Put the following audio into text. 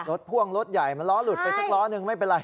พ่วงรถใหญ่มันล้อหลุดไปสักล้อนึงไม่เป็นไร